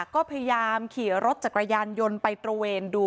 ก็พยายามขี่รถจักรยานยนต์ไปตระเวนดู